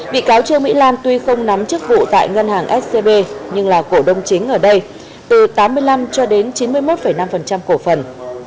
bị cáo trương mỹ lan tuy không nắm chức vụ tại ngân hàng scb nhưng là cổ đông chính ở đây từ tám mươi năm cho đến chín mươi một năm cổ phần